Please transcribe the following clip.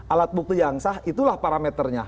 alat bukti yang sah itulah parameternya